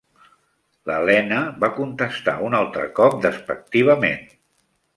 L'Helena va contestar un altre cop despectivament.